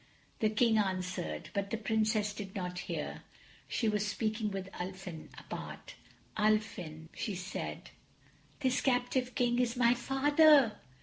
The King answered, but the Princess did not hear. She was speaking with Ulfin, apart. "Ulfin," she said, "this captive King is my Father."